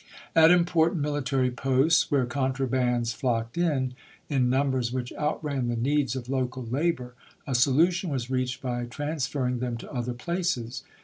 At important military posts, where contrabands flocked in, in numbers which outran the needs of local labor, a solution was reached by transfer ring them to other places.